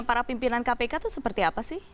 para pimpinan kpk itu seperti apa sih